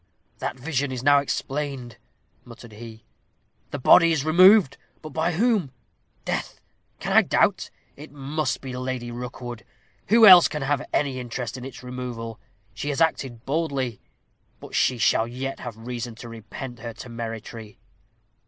"That vision is now explained," muttered he; "the body is removed, but by whom? Death! can I doubt? It must be Lady Rookwood who else can have any interest in its removal. She has acted boldly. But she shall yet have reason to repent her temerity."